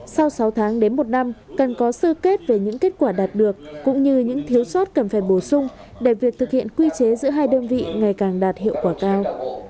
sau sáu tháng đến một năm cần có sơ kết về những kết quả đạt được cũng như những thiếu sót cần phải bổ sung để việc thực hiện quy chế giữa hai đơn vị ngày càng đạt hiệu quả cao